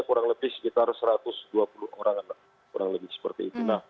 kurang lebih sekitar satu ratus dua puluh orang kurang lebih seperti itu